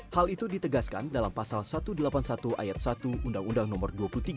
hal itu ditegaskan dalam pasal satu ratus delapan puluh satu ayat satu undang undang nomor dua puluh tiga